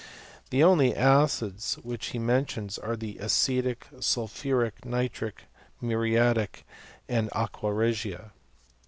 The only acids which he mentions are the acetic, sul phuric, nitric, muriatic, and aijuii regia.